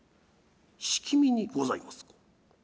「しきみにございますか？」。